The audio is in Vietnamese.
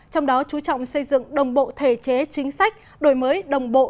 trong đó chú trọng xây dựng đồng bộ thể chế chính sách đổi mới đồng bộ